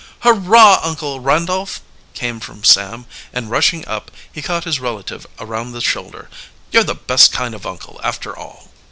"Hurrah, Uncle Randolph!" came from Sam, and rushing up, he caught his relative around the shoulder. "You're the best kind of uncle, after all."